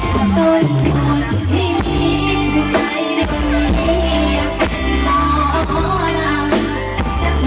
ก่อนมาไม่เหวกับ